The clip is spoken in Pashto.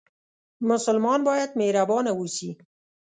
مسلمان باید مهربانه اوسي